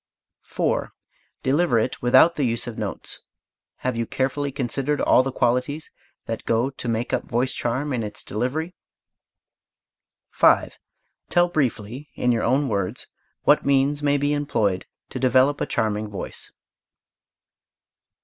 4. Deliver it without the use of notes. Have you carefully considered all the qualities that go to make up voice charm in its delivery? 5. Tell briefly in your own words what means may be employed to develop a charming voice.